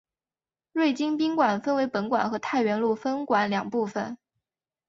瑞金宾馆分为本馆和太原路分馆两部份。